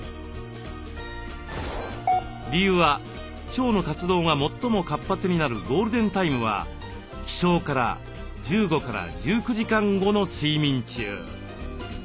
理由は腸の活動が最も活発になるゴールデンタイムは起床から１５１９時間後の睡眠中。